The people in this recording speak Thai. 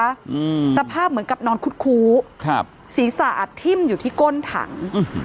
อืมสภาพเหมือนกับนอนคุ้ดคูครับสีสาดทิ้มอยู่ที่ก้นถัง